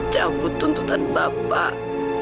jabut tuntutan bapak